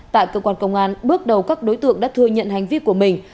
tại cơ quan công an bước đầu các đối tượng đã thừa nhận hành vi của mình